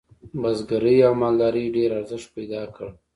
بزګرۍ او مالدارۍ ډیر ارزښت پیدا کړ.